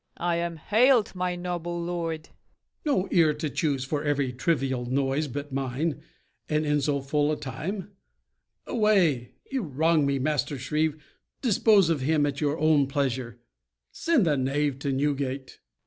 I am hailed, my noble lord. MORE. No ear to choose for every trivial noise but mine, and in so full a time? Away! You wrong me, Master Shrieve: dispose of him At your own pleasure; send the knave to Newgate. FAULKNER.